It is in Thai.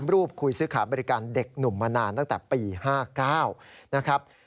รูปคุยซื้อขาบริการเด็กหนุ่มมานานตั้งแต่ปี๕๙นะครับ